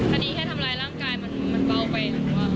คดีแค่ทำลายร่างกายมันเบาไป